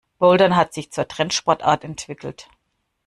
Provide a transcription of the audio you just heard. Bouldern hat sich zur Trendsportart entwickelt.